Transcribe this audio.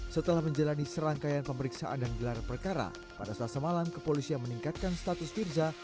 setelah menjalani serangkaian pemeriksaan dan gelar perkara pada selasa malam kepolisian meningkatkan status firza